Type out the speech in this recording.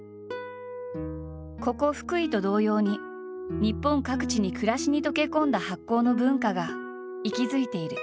ここ福井と同様に日本各地に暮らしに溶け込んだ発酵の文化が息づいている。